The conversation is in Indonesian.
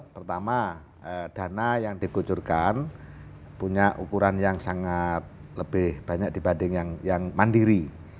pertama dana yang dikucurkan punya ukuran yang sangat lebih banyak dibanding yang mandiri